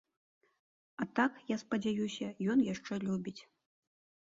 А так, я спадзяюся, ён яшчэ любіць.